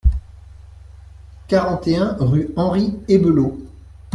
quarante et un rue Henri Ebelot